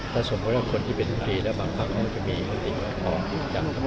ถ้าสมมุติว่าคนที่เป็นรำตรีแล้วบางภาพเขาจะมีอีกอย่างออกอีกอย่าง